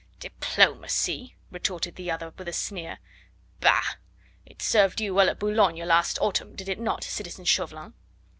"Diplomacy?" retorted the other with a sneer. "Bah! it served you well at Boulogne last autumn, did it not, citizen Chauvelin?"